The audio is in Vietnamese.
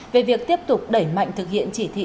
về việc tiếp tục đẩy mạnh công tác xây dựng đảng